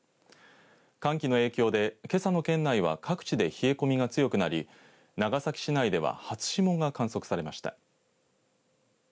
寒気の影響でけさの県内は各地で冷え込みが強くなり長崎市内では初霜が観測されました。